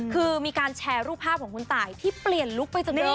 คือมีการแชร์รูปภาพของคุณตายที่เปลี่ยนลุคไปจังเลย